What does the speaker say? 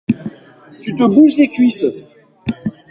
Tu te bouges les cuisses.